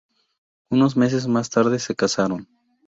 Unos meses más tarde, se casaron.